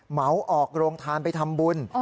เหมาออกโรงทานไปทำบุญ